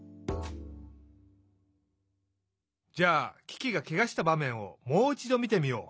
じゃあキキがケガしたばめんをもういちどみてみよう。